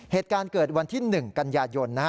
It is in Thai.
เหตุการณ์เกิดวันที่๑กันยายน